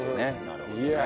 なるほどね。